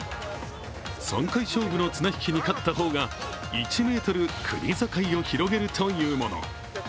３回勝負の綱引きに勝ったほうが１ｍ、国境を広げるというもの。